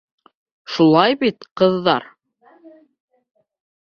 Шулай бит, ҡыҙҙар?